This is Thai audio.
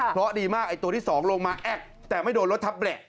เพราะดีมากตัวที่สองลงมาแต่ไม่โดนรถทับแบละ